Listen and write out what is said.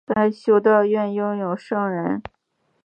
该修道院拥有的圣人圣髑是阿索斯山最多的。